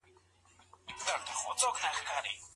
غوره منصب یوازي مستحقو خلګو ته نه سي سپارل کېدلای.